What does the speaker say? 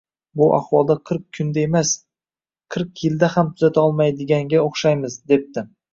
Bu ahvolda qirq kunda emas, qirq yilda ham tuzata olmaydiganga o‘xshaymiz, debdi